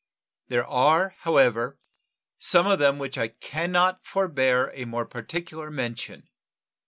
These are, however, some of them of which I can not forbear a more particular mention.